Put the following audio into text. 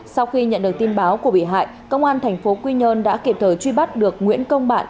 sau khi nhận được tin báo của bị hại công an tp quy nhơn đã kịp thời truy bắt được nguyễn công bạn